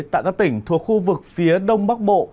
tại các tỉnh thuộc khu vực phía đông bắc bộ